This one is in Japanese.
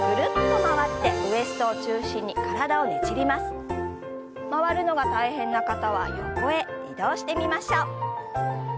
回るのが大変な方は横へ移動してみましょう。